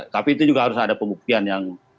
tapi itu juga harus ada pembuktian yang